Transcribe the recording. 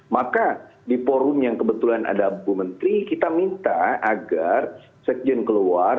maka di forum yang kebetulan ada bu menteri kita minta agar sekjen keluar